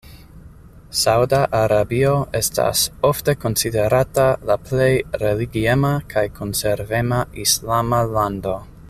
Sauda Arabio estas ofte konsiderata la plej religiema kaj konservema islama lando.